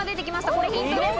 これ、ヒントです。